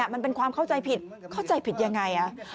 มันเป็นความเข้าใจผิดเข้าใจผิดยังไง